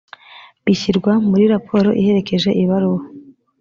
bishyirwa muri raporo iherekeje ibaruwa